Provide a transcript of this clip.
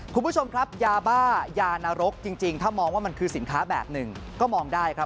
คุณผู้ชมครับยาบ้ายานรกจริงถ้ามองว่ามันคือสินค้าแบบหนึ่งก็มองได้ครับ